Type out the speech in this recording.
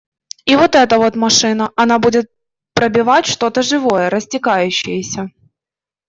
И вот эта вот машина, она будет пробивать что-то живое, растекающееся.